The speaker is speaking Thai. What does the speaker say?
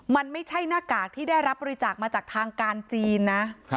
มันไม่ใช่หน้ากากที่ได้รับบริจาคมาจากทางการจีนนะ